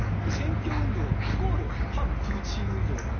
選挙運動イコール反プーチン運動